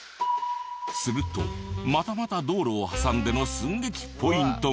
するとまたまた道路を挟んでの寸劇ポイントが。